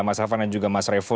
mas afan dan juga mas revo